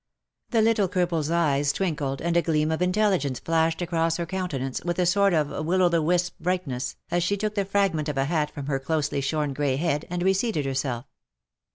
The little cripple's eyes twinkled, and a gleam of intelligence flashed across her countenance with a sort of Will o' the wisp bright ness, as she took the fragment of a hat from her closely shorn gray head, and reseated herself.